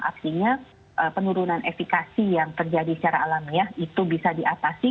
artinya penurunan efekasi yang terjadi secara alamiah itu bisa diatasi